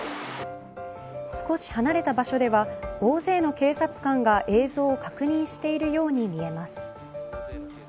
少し離れた場所では大勢の警察官が映像を確認しているように見えます。